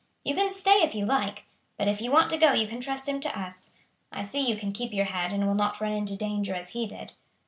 You can stay if you like; but if you want to go you can trust him to us. I see you can keep your head, and will not run into danger as he did."